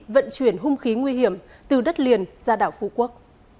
vận chuyển hung khí nguy hiểm từ đất liền ra đảo phú quốc